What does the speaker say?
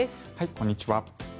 こんにちは。